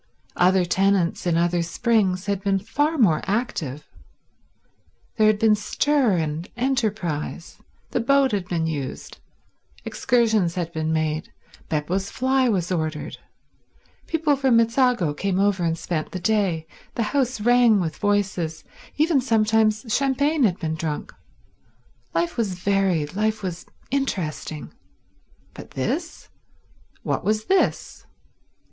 Other tenants in other springs had been far more active. There had been stir and enterprise; the boat had been used; excursions had been made; Beppo's fly was ordered; people from Mezzago came over and spent the day; the house rang with voices; even sometimes champagne had been drunk. Life was varied, life was interesting. But this? What was this?